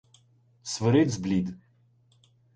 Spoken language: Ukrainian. Свирид зблід.